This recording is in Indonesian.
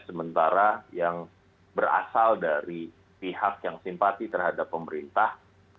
sementara yang berasal dari pihak yang simpati terhadap pemerintah